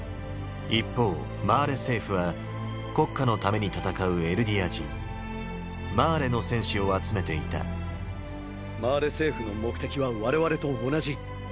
一方マーレ政府は国家のために戦うエルディア人「マーレの戦士」を集めていたマーレ政府の目的は我々と同じ。